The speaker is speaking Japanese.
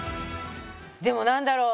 でもなんだろう？